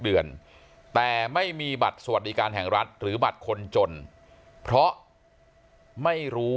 เดือนแต่ไม่มีบัตรสวัสดิการแห่งรัฐหรือบัตรคนจนเพราะไม่รู้